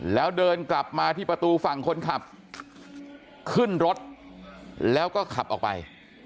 แล้วเดินกลับมาที่ประตูฝั่งคนขับขึ้นรถแล้วก็ขับออกไป